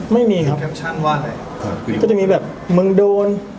ไม่มีครับว่าอะไรจะจะมีแบบมึงโดน